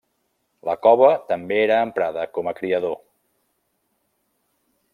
La cova també era emprada com a criador.